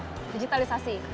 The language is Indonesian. khususnya di digital digitalisasi